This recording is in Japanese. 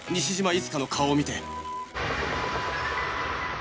いつかの顔を見て